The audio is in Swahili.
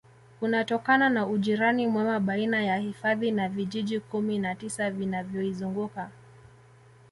Unatokana na ujirani mwema baina ya hifadhi na vijiji kumi na tisa vinavyoizunguka